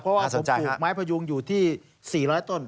เพราะว่าผมปลูกไม้พยุงอยู่ที่๔๐๐ต้น